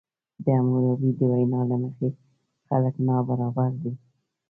د حموربي د وینا له مخې خلک نابرابر دي.